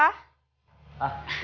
ah iya mbak nggak jadi